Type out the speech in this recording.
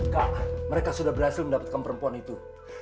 kak mereka sudah berhasil mendapatkan perempuan itu